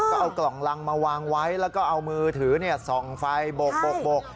ก็เอากล่องรังมาวางไว้แล้วก็เอามือถือส่องไฟโบก